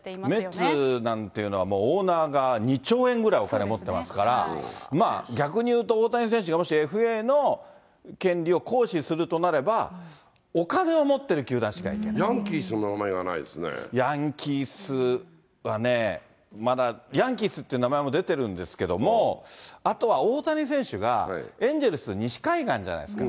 メッツなんていうのは、オーナーが２兆円ぐらい、お金持ってますから、まあ、逆に言うと大谷選手がもしＦＡの権利を行使するとなれば、お金をヤンキースの名前がないですヤンキースはね、まだヤンキースっていう名前も出てるんですけれども、あとは大谷選手がエンゼルス、西海岸じゃないですか。